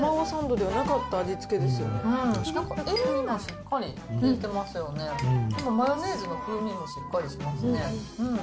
でもマヨネーズの風味もしっかりしてますね。